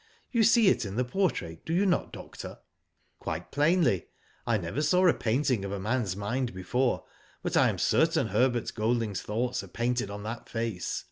You see it in the portrait, do you not, doctor?" *' Quite plainly. I never saw a painting of a man's mind before, but I am certain Herbert Golding's thoughts are painted on that face.